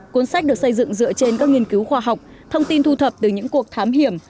cuốn sách được xây dựng dựa trên các nghiên cứu khoa học thông tin thu thập từ những cuộc thám hiểm